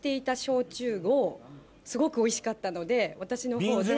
すごくおいしかったので私のほうで。